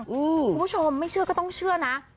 คุณผู้ชมไม่เชื่อก็ต้องเชื่อนะ